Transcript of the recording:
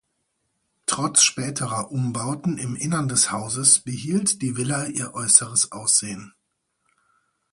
Trotz späterer Umbauten im Innern des Hauses behielt die Villa ihr äußeres Aussehen.